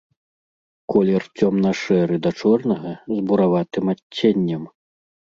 Колер цёмна-шэры да чорнага з бураватым адценнем.